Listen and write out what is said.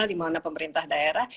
dimana pemerintah daerah